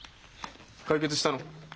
解決したの？